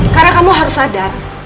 karena kamu harus sadar